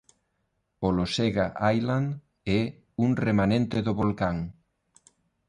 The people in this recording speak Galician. Olosega Island é un remanente do volcán.